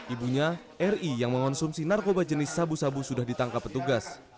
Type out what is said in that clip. ibunya ri yang mengonsumsi narkoba jenis sabu sabu sudah ditangkap petugas